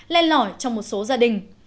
lên lỏi trong một số gia đình